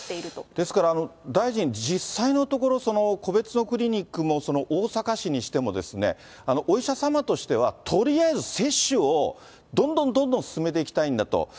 ですから大臣、実際のところ、その個別のクリニックも、その大阪市にしても、お医者様としてはとりあえず接種をどんどんどん進めていきたいんだと。